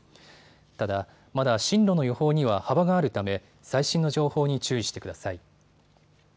ただ、まだ進路の予報には幅があるため、最新の情報に注意してください。